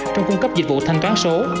trong cung cấp dịch vụ thanh toán số